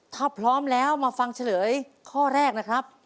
ถ้าพร้อมแล้วมาฟังเฉลยข้อแรกนะครับ